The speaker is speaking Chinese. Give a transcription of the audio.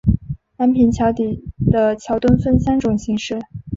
安平桥底的桥墩分三种形式。